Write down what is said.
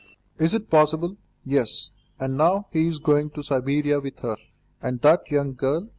"Is it possible?" "Yes, and now he is going to Siberia with her." "And that young girl?"